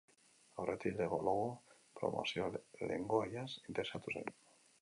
Aurretik, Lego Logo programazio-lengoaiaz interesatu zen.